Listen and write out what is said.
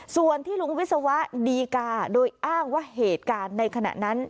ส่วนที่ลุงวิศวะดีกาโดยอ้างว่าเหตุการณ์ในขณะนั้น